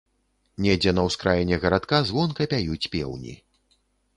Недзе на ўскраіне гарадка звонка пяюць пеўні.